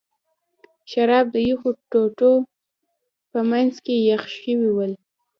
شراب د یخو ټوټو په منځ کې یخ شوي ول.